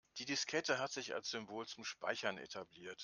Die Diskette hat sich als Symbol zum Speichern etabliert.